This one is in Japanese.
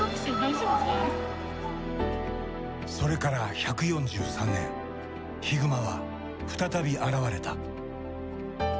それから１４３年ヒグマは再び現れた。